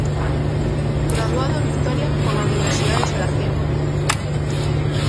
Graduado en Historia por la Universidad de Sarajevo.